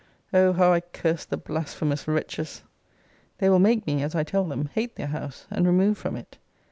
O how I cursed the blasphemous wretches! They will make me, as I tell them, hate their house, and remove from it.